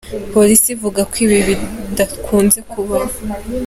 Polisi ivuga ko ibi bidakunze kubaho.